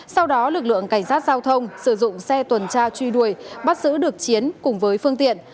sau đó lực lượng cảnh sát giao thông sử dụng xe tuần tra truy đuổi bắt giữ được chiến cùng với phương tiện